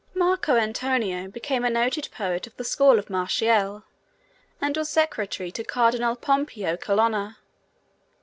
Marco Antonio became a noted poet of the school of Martial, and was secretary to Cardinal Pompeo Colonna.